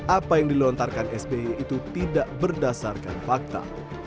apa yang dilontarkan sby itu tidak berdasarkan fakta